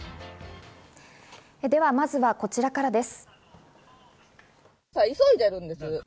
ではまずはこちらからです。